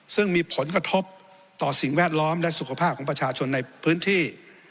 ซึ่งมีผลกระทบต่อสิ่งแวดล้อมและสุขภาพของประชาชนในพื้นที่